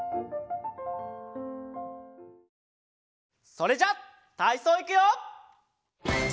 それじゃたいそういくよ！